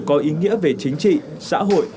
có ý nghĩa về chính trị xã hội